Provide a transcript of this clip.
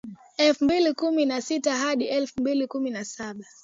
Elfu mbili kumi na sita hadi elfu mbili kumi na saba